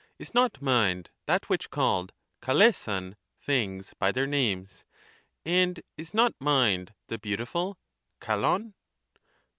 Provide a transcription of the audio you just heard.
Is not mind that which called {KaXeaav) things by their names, and is not mind the beautiful (koAov)